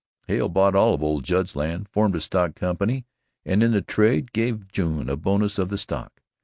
Hale bought all of old Judd's land, formed a stock company and in the trade gave June a bonus of the stock.